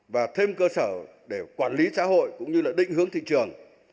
và thêm cơ sở để quản lý xã hội cũng như là định hướng thị trường